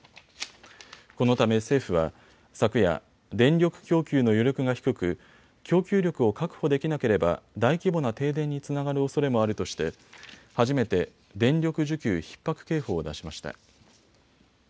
このため政府は、昨夜、電力供給の余力が低く供給力を確保できなければ大規模な停電につながるおそれもあるとして初めて電力需給ひっ迫警報を出しました。